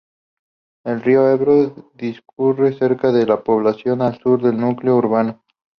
El río Ebro discurre cerca de la población, al sur del núcleo urbano.